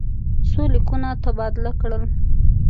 څو لیکونه تبادله کړل.